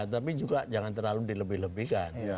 tapi juga jangan terlalu dilebih lebihkan